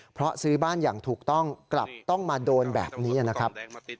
เพราะซื้อบ้านอย่างถูกต้องกลับต้องมาโดนแบบนี้นะครับ